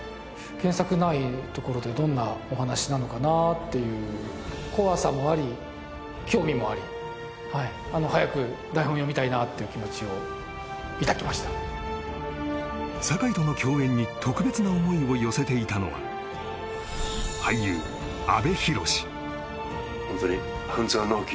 原作ないところでどんなお話なのかなっていう怖さもあり興味もあり早く台本読みたいなっていう気持ちを抱きました堺との共演に特別な思いを寄せていたのは俳優ホントに「半沢直樹」